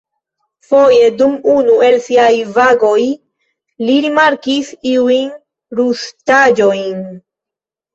Foje, dum unu el siaj vagoj, li rimarkis iujn rustaĵojn.